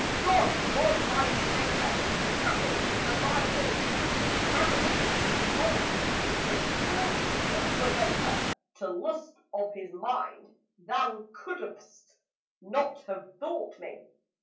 "God was my shaper. Passing surmisal, He hammered, He wrought me, From curled silver vapour, To lust of His mind: Thou could'st not have thought me!